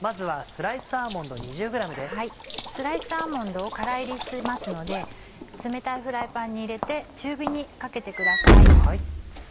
スライスアーモンドをからいりしますので冷たいフライパンに入れて中火にかけてください。